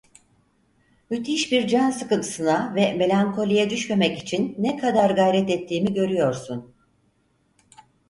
Müthiş bir can sıkıntısına ve melankoliye düşmemek için ne kadar gayret ettiğimi görüyorsun.